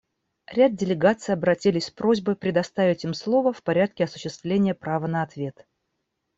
Ряд делегаций обратились с просьбой предоставить им слово в порядке осуществления права на ответ.